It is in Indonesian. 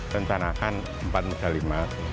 rencanakan empat medali emas